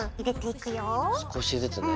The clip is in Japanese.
少しずつね。